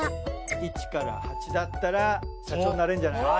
１から８だったら社長になれんじゃない？